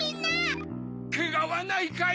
けがはないかい？